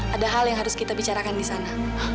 ada hal yang harus kita bicarakan di sana